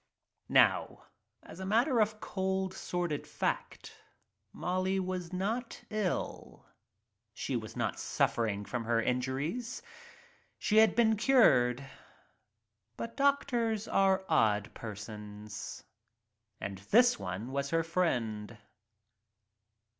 Now, as a matter of cold, sordid fact, Molly was not ill — she was not suffering from her injuries — she had been cured. But doctors are odd persons, and this one was her friend.